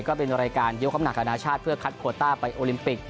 ก็เป็นรายการยกคำหนักอนาชาติเพื่อคัดโควต้าไปโอลิมปิก